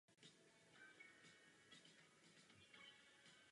Devětkrát se stal mistrem Československa.